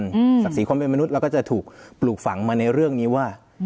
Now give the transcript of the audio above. ศักดิ์ศรีความเป็นมนุษย์เราก็จะถูกปลูกฝังมาในเรื่องนี้ว่า